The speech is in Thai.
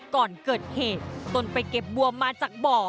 ก่อนเกิดเหตุตนไปเก็บบัวมาจากบ่อ